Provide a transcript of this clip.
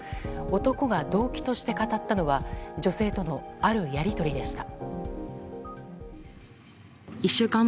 男が動機として語ったのは女性とのあるやり取りでした。